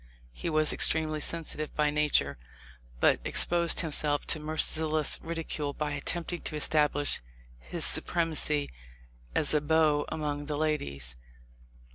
He was ex tremely sensitive by nature, but exposed himself to 232 THE LIFE OF LINCOLN. merciless ridicule by attempting to establish his supremancy as a beau among the ladies.